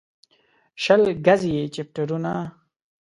شل ګزي يې چپټرونه